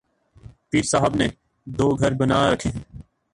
پیر صاحب نے دوگھر بنا رکھے ہیں۔